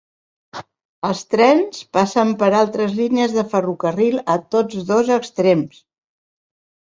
Els trens passen per altres línies de ferrocarril a tots dos extrems.